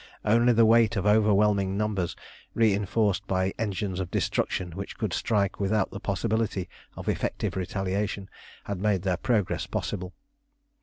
Only the weight of overwhelming numbers, reinforced by engines of destruction which could strike without the possibility of effective retaliation, had made their progress possible.